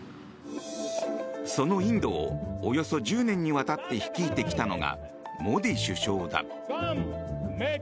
そのインドをおよそ１０年にわたって率いてきたのがモディ首相だ。